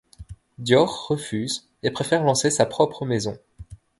Dior refuse et préfère lancer sa propre maison.